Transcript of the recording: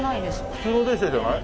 普通の電車じゃない？